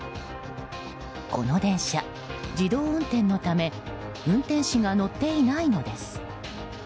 この電車、自動運転のため運転士が乗っていないのです。